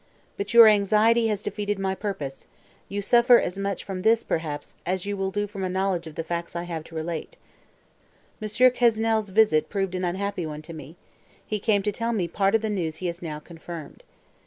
But your anxiety has defeated my purpose; you suffer as much from this, perhaps, as you will do from a knowledge of the facts I have to relate. M. Quesnel's visit proved an unhappy one to me; he came to tell me part of the news he has now confirmed.